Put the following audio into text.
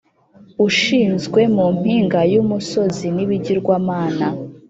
ushinzwe mu mpinga y umusozi n ibigirwamana